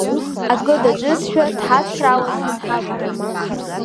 Акы даҿызшәа, дҳацхраауазшәа дҳавагьежьуан.